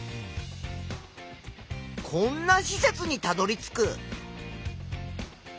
こんな施設にたどりつく。